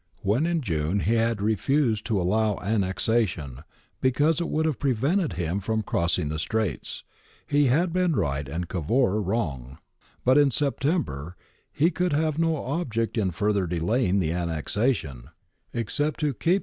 When in June he had refused to allow annexation because it would have prevented him from crossing the Straits, he had been right and Cavour wrong.'' But in September he could have no object in further delaying the annexation, except to keep himself ^Rusiow's Brig. Mil. 20 22. Tiirr's Div. 149 150. Ire Pol.